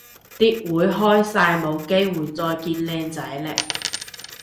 啲會開晒冇機會再見靚仔嘞